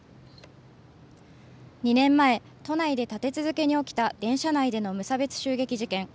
２年前、都内で立て続けに起きた電車内での無差別襲撃事件。